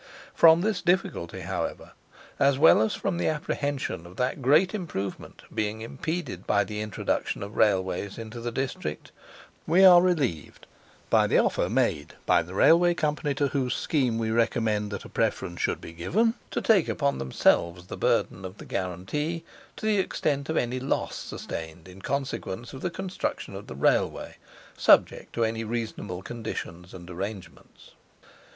From this difficulty, however, as well as from the apprehension of that great improvement being impeded by the introduction of Railways into the district, we are relieved by the offer made by the Railway Company to whose scheme we recommend that a preference should be given, to take upon themselves the burden of the guarantee to the extent of any loss sustained in consequence of the construction of the Railway, subject to any reasonable conditions and arrangements.